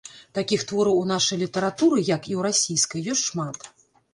Такіх твораў у нашай літаратуры, як і ў расійскай, ёсць шмат.